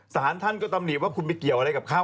สารท่านก็ตำหนิว่าคุณไปเกี่ยวอะไรกับเขา